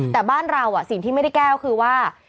แต่บ้านเราสิ่งที่ไม่ได้แก้คือว่า